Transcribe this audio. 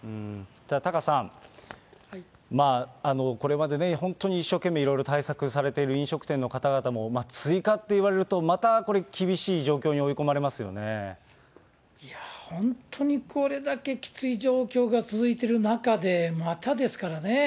ただ、タカさん、これまで本当に一生懸命いろいろ対策されている飲食店の方々も、追加って言われると、またこれ、いやー、本当にこれだけきつい状況が続いてる中で、またですからね。